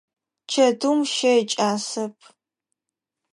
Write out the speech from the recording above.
Чэтыум щэ икӏасэп.